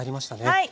はい。